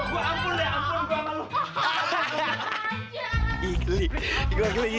gue ampun deh ampun aku sama yangities